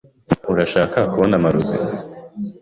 Urashaka kubona amarozi?